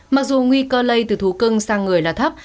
mặc dù nguy cơ lây từ thú cưng sang người là thấp